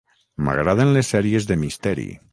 M'agraden les sèries de misteri.